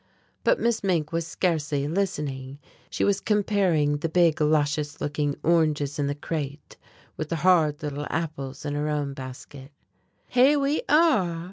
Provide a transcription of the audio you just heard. But Miss Mink was scarcely listening. She was comparing the big luscious looking oranges in the crate, with the hard little apples in her own basket. "Here we are!"